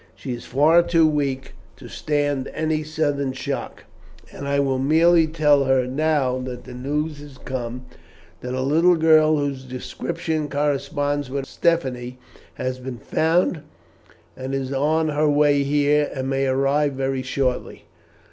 She is far too weak to stand any sudden shock, and I will merely tell her now that news has come that a little girl whose description corresponds with that of Stephanie has been found and is on her way here, and may arrive very shortly.